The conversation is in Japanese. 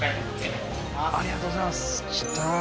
ありがとうございます来た。